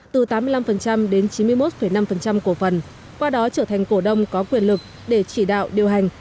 từ tám mươi năm đến chín mươi một năm cổ phần qua đó trở thành cổ đông có quyền lực để chỉ đạo điều hành